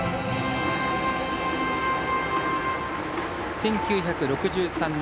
１９６３年